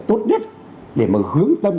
tốt nhất để mà hướng tâm